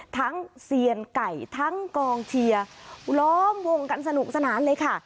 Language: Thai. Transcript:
เซียนไก่ทั้งกองเชียร์ล้อมวงกันสนุกสนานเลยค่ะ